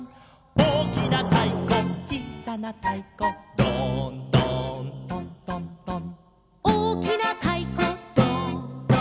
「おおきなたいこちいさなたいこ」「ドーンドーントントントン」